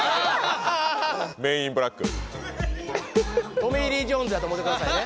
トミー・リー・ジョーンズやと思てくださいね。